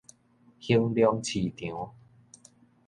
興隆市場